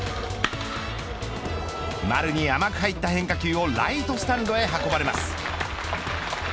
丸に甘く入った変化球をライトスタンドへ運ばれます。